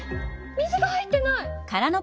水が入ってない！